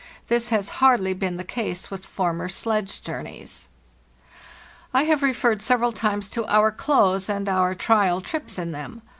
This has hardly been the case with former sledge journeys. I have referred several times to our clothes, and our trial trips in them.